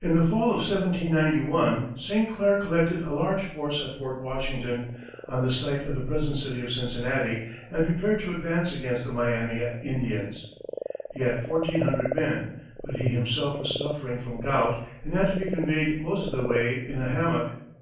In the fall of 1791, St. Clair collected a large force at Fort Washington, on the site of the present city of Cincinnati, and prepared to advance against the Miami Indians. He had fourteen hundred men, but he himself was suffering with gout and had to be conveyed most of the way in a hammock.